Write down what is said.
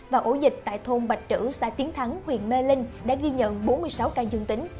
và ổ dịch tại thôn bạch trữ xã tiến thắng huyện mê linh đã ghi nhận bốn mươi sáu ca dương tính